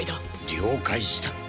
了解した。